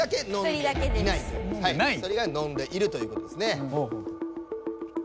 それいがいは飲んでいるということですね。